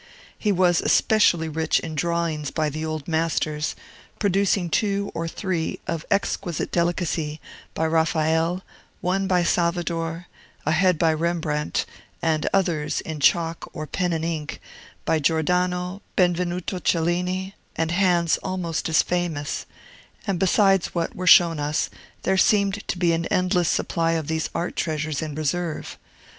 He was especially rich in drawings by the Old Masters, producing two or three, of exquisite delicacy, by Raphael, one by Salvator, a head by Rembrandt, and others, in chalk or pen and ink, by Giordano, Benvenuto Cellini, and hands almost as famous; and besides what were shown us, there seemed to be an endless supply of these art treasures in reserve.